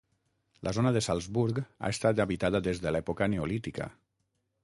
La zona de Salzburg ha estat habitada des de l'època neolítica.